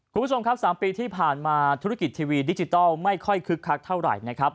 คุณผู้ชมครับ๓ปีที่ผ่านมาธุรกิจทีวีดิจิทัลไม่ค่อยคึกคักเท่าไหร่นะครับ